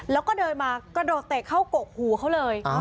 แล้วก็เดินมากระโดดเตะเข้ากกหูเขาเลย